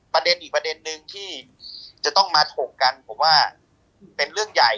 ประเด็นอีกประเด็นนึงที่จะต้องมาถกกันผมว่าเป็นเรื่องใหญ่